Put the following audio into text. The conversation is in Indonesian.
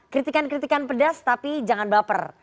kritikan kritikan pedas tapi jangan baper